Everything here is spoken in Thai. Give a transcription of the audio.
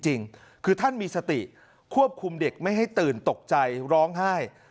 จริงคือท่านมีสติควบคุมเด็กไม่ให้ตื่นตกใจร้องไห้